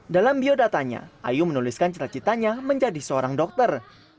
dalam biodatanya ayu menuliskan cita citanya menjadi seorang dokter